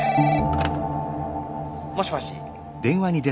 ☎もしもし。